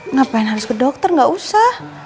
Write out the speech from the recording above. ngapain harus ke dokter gak usah